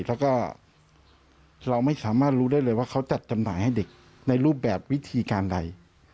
แล้วก็เราไม่สามารถรู้ได้เลยว่าเขาจัดจำหน่ายให้เด็กในรูปแบบวิธีการใด